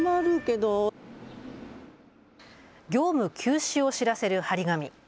業務休止を知らせる貼り紙。